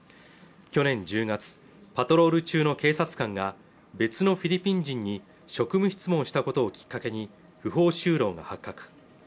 去年１０月パトロール中の警察官が別のフィリピン人に職務質問したことをきっかけに不法就労が発覚